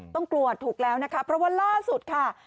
ต้องกลัวถูกแล้วนะคะเพราะว่าล่าสุดค่ะ